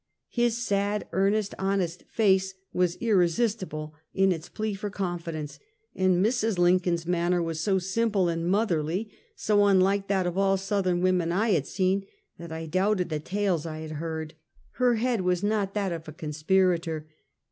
His sad, earnest, honest face was irresistible in its plea for confidence, and Mrs. Lincoln's manner was so simple and motherly, so unlike that of all Southern women I had seen, that I doubted the tales I had heard. Her head was not that of a conspirator.